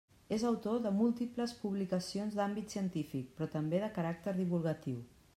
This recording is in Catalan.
És autor de múltiples publicacions d'àmbit científic però també de caràcter divulgatiu.